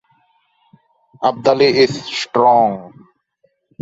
Abdali is strong.